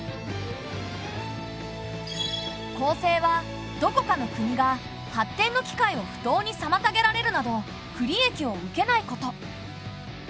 公正はどこかの国が発展の機会を不当にさまたげられるなど不利益を受けないこと。